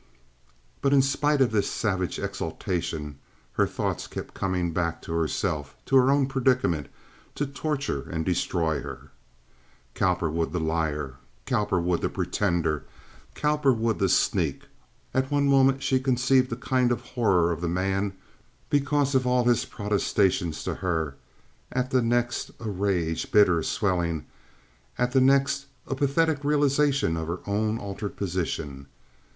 But in spite of this savage exultation her thoughts kept coming back to herself, to her own predicament, to torture and destroy her. Cowperwood, the liar! Cowperwood, the pretender! Cowperwood, the sneak! At one moment she conceived a kind of horror of the man because of all his protestations to her; at the next a rage—bitter, swelling; at the next a pathetic realization of her own altered position.